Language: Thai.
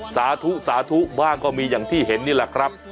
สาธุสาธุบ้างก็มีอย่างที่เห็นนี่แหละครับ